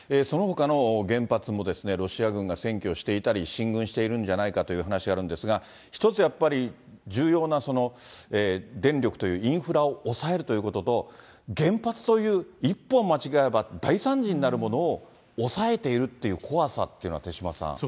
そのほかの原発もロシア軍が占拠していたり、進軍しているんじゃないかという話があるんですが、一つやっぱり、重要な電力というインフラを押さえるということと、原発という一歩間違えば大参事になるものを、押さえているっていう怖さっていうのは手嶋さん。